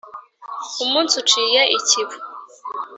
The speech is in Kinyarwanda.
Umunsi uciye ikibu